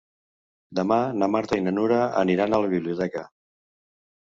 Demà na Marta i na Nura aniran a la biblioteca.